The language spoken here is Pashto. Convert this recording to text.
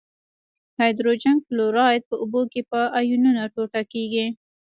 هایدروجن کلوراید په اوبو کې په آیونونو ټوټه کیږي.